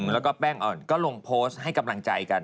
แล้วก็แป้งอ่อนก็ลงโพสต์ให้กำลังใจกัน